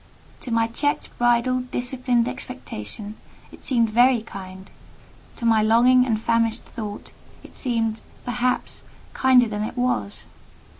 To my checked, bridled, disciplined expectation, it seemed very kind: to my longing and famished thought it seemed, perhaps, kinder than it was.